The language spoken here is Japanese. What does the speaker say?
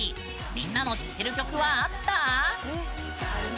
みんなの知っている曲はあった？